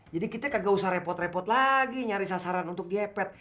jadi kita gak usah repot repot lagi nyari sasaran untuk diepet